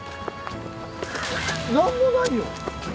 何もないよ。